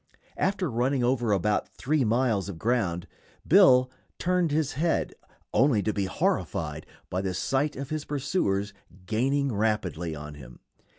After running over about three miles of ground, Bill turned his head, only to be horrified by the sight of his pursuers gaining rapidly on him.